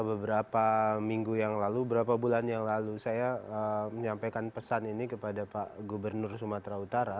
beberapa minggu yang lalu beberapa bulan yang lalu saya menyampaikan pesan ini kepada pak gubernur sumatera utara